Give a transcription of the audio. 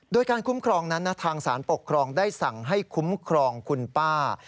โดยการคุ้มครองนั้นทางสารปกครองได้สั่งให้คุ้มครองคุณป้า